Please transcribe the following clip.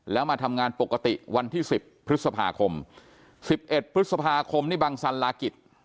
แล้วมาทำงานปกติวันที่๑๐พฤษภาคม๑๑พฤษภาคมนี่บังสันลากิจ